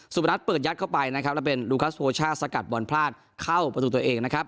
บรรทัศน์เปิดยัดเข้าไปนะครับแล้วเป็นลูคัสโฮช่าสกัดบอลพลาดเข้าประตูตัวเองนะครับ